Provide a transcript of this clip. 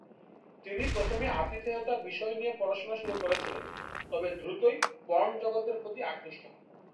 তিনি প্রথমে আতিথেয়তা বিষয় নিয়ে পড়াশোনা শুরু করেছিলেন, তবে দ্রুতই পর্ন জগতের প্রতি আকৃষ্ট হন।